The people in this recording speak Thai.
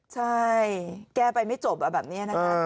ใช่แก้ไปไม่จบแบบนี้นะคะ